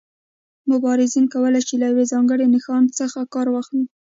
مبارزین کولای شي له یو ځانګړي نښان څخه کار واخلي.